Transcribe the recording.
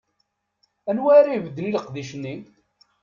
Anwa ara ibedden i leqdic-nni?